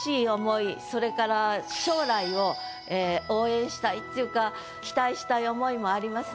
それから将来を応援したいっていうか期待したい思いもありますね。